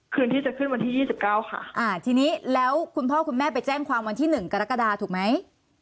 คืนที่จะขึ้นวันที่๒๙ค่ะอ่าทีนี้แล้วคุณพ่อคุณแม่ไปแจ้งความวันที่๑กรกฎาถูกไหม